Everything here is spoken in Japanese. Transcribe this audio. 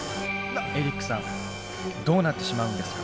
エリックさんどうなってしまうんですか？